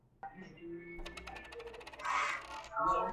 او گیسوان طلایی دارد.